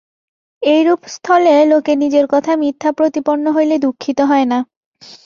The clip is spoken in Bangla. এইরূপ স্থলে লোকে নিজের কথা মিথ্যা প্রতিপন্ন হইলে দুঃখিত হয় না।